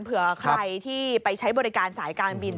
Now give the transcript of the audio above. เผื่อใครที่ไปใช้บริการสายการบิน